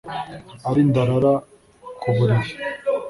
ari ndarara ku buriri